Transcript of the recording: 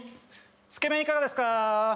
つけ麺いかがですか？